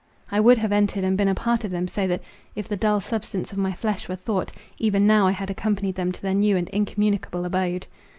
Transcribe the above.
I would have entered and been a part of them—so that If the dull substance of my flesh were thought, even now I had accompanied them to their new and incommunicable abode.